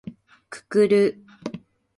くくる